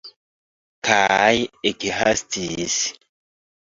Kaj ekhastis.